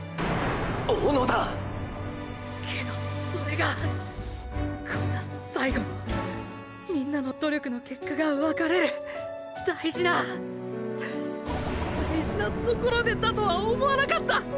小野田けどそれがこんな最後のみんなの努力の結果がわかれる大事な大事なところでだとは思わなかった！！